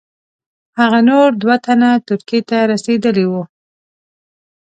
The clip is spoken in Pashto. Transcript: هغه نور دوه تنه ترکیې ته رسېدلي وه.